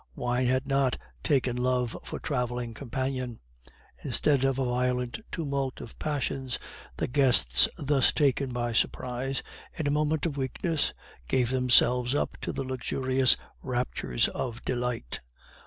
Wine had not taken love for traveling companion; instead of a violent tumult of passions, the guests thus taken by surprise, in a moment of weakness, gave themselves up to luxurious raptures of delight.